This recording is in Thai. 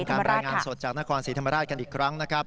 ติดตามการรายงานสดที่จังหวัดนคร๔ธไมราชกันอีกครั้งนะครับ